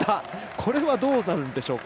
これはどうなるんでしょうか。